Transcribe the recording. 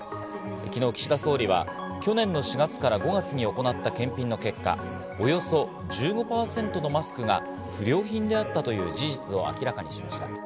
昨日、岸田総理は去年の４月から５月に行った検品の結果、およそ１５％のマスクが不良品であったという事実を明らかにしました。